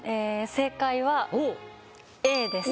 正解はＡです